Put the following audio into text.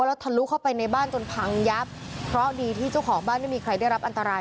แล้วทะลุเข้าไปในบ้านจนพังยับเพราะดีที่เจ้าของบ้านไม่มีใครได้รับอันตราย